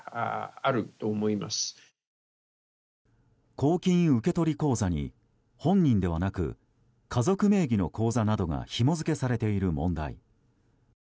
公金受取口座に本人ではなく家族名義の口座などがひも付けされている問題。